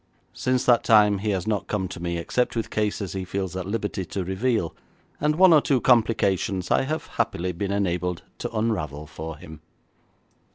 Since that time he has not come to me except with cases he feels at liberty to reveal, and one or two complications I have happily been enabled to unravel for him.